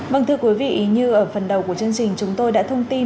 vâng thưa quý vị như ở phần đầu của chương trình chúng tôi đã thông tin